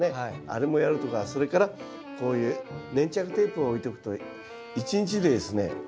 あれもやるとかそれからこういう粘着テープを置いておくと１日でですね